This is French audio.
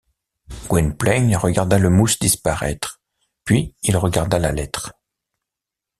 Gwynplaine regarda le mousse disparaître, puis il regarda la lettre.